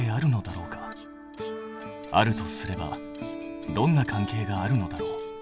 あるとすればどんな関係があるのだろう？